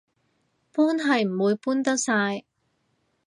搬係唔會搬得晒